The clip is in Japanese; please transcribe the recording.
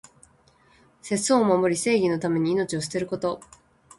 節操を守り、正義のために命を捨てること。